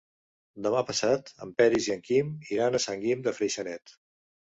Demà passat en Peris i en Quim iran a Sant Guim de Freixenet.